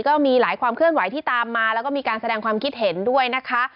ก็มีหลายความเคลื่อนไหวที่ตามมาแล้วก็มีการแสดงความคิดเห็นด้วยนะคะ